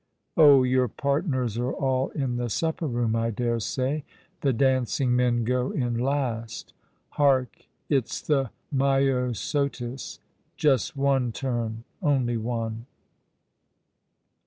" Oh, your partners are all in the supper room, I dare say. The dancing men go in last. Hark ! it's the Myosotis. Just one turn — only one."